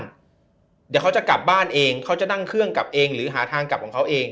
เดี๋ยวเขาจะกลับบ้านเองเขาจะนั่งเครื่องกลับเองหรือหาทางกลับของเขาเอง